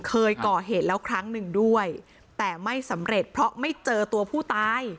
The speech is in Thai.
เคยก่อเหตุแล้วครั้งหนึ่งด้วยแต่ไม่สำเร็จเพราะไม่เจอตัวผู้ตาย